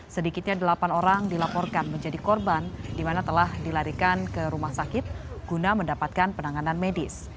sedikitnya delapan orang dilaporkan menjadi korban di mana telah dilarikan ke rumah sakit guna mendapatkan penanganan medis